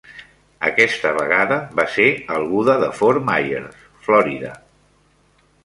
Aquesta vegada va ser al Buda de Fort Myers, Florida.